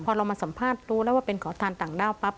พอเรามาสัมภาษณ์รู้แล้วว่าเป็นขอทานต่างด้าวปั๊บ